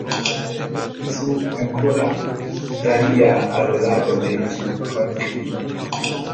Su anchura varía a lo largo de su longitud.